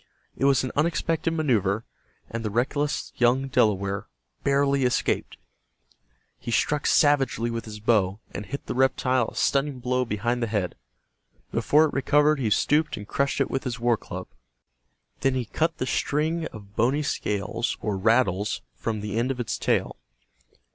It was an unexpected maneuver, and the reckless young Delaware barely escaped. He struck savagely with his bow, and hit the reptile a stunning blow behind the head. Before it recovered he stooped and crushed it with his war club. Then he cut the string of bony scales, or rattles, from, the end of its tail.